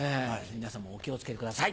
皆さんもお気を付けください。